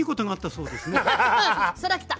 そらきた！